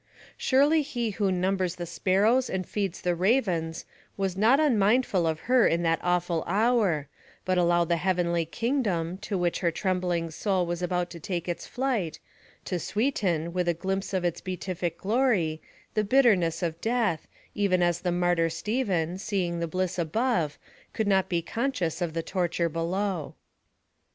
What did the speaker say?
Surely He who numbers the sparrows and feeds the ravens was not unmindful of her in that awful hour, but allowed the heavenly kingdom, to which her trembling soul was about to take its flight, to sweeten, with a glimpse of its beatific glory, the bitterness of death, even as the martyr Stephen, seeing the bliss above, could not be conscious of the torture below.